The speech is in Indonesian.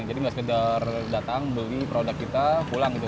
nggak sekedar datang beli produk kita pulang gitu